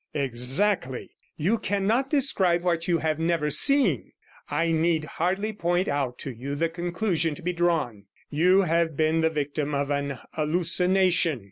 'Exactly; you cannot describe what you have never seen. I need hardly point out to you the conclusion to be drawn; you have been the victim of an hallucination.